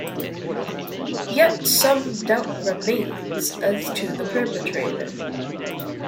Yet some doubt remains as to the perpetrator.